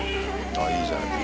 あ、いいじゃない。